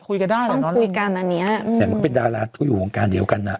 คุยกันได้แล้วเนอะต้องคุยกันอันเนี้ยอืมแต่มันก็เป็นดาราคุยอยู่ห่วงการเดียวกันอ่ะ